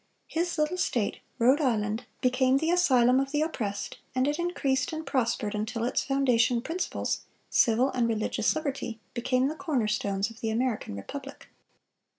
(445) His little State, Rhode Island, became the asylum of the oppressed, and it increased and prospered until its foundation principles—civil and religious liberty—became the corner stones of the American Republic.